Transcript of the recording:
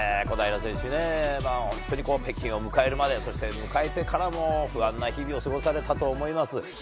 小平選手、本当に北京を迎えるまで、そして迎えてからも不安な日々を過ごされたと思います。